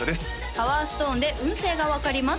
パワーストーンで運勢が分かります